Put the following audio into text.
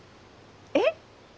えっ？